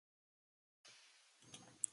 デザインスタジオ正直きつい